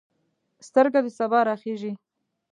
سترګه د سبا راخیژې